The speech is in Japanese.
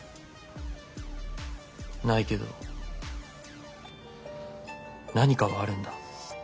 ないけど何かはあるんだ。